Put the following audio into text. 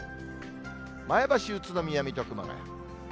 前橋、宇都宮、水戸、熊谷。